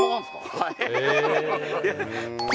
はい。